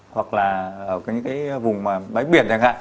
hoặc là ở những vùng bãi biển chẳng hạn